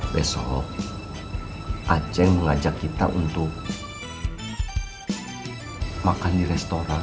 besok aceh mengajak kita untuk makan di restoran